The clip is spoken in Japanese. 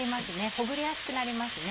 ほぐれやすくなりますね。